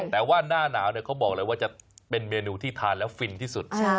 แต่ว่าหน้าหนาวเขาบอกเลยว่าจะเป็นเมนูที่ทานแล้วฟินที่สุด